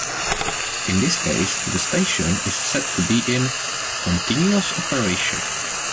In this case the station is said to be in "continuous operation".